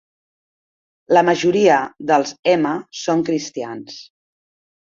La majoria dels hema són cristians.